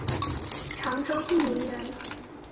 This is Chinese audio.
常州晋陵人。